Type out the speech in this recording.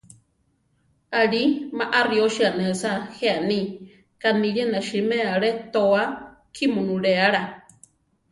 Aʼlí, ma ariósi anésa, jé aní: kanilía na siméa Ale tóa Kimu nuléala.